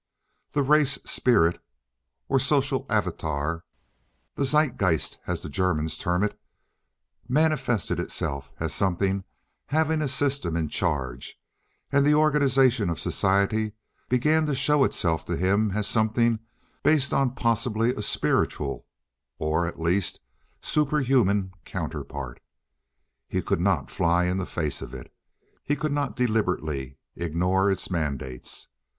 The race spirit, or social avatar, the "Zeitgeist" as the Germans term it, manifested itself as something having a system in charge, and the organization of society began to show itself to him as something based on possibly a spiritual, or, at least, superhuman counterpart. He could not fly in the face of it. He could not deliberately ignore its mandates.